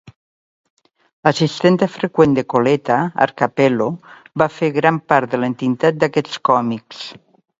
L'assistent freqüent de Colletta, Art Cappello, va fer gran part de l'entintat d'aquests còmics.